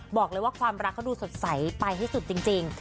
บอกเลยว่าความรักเขาดูสดใสไปให้สุดจริง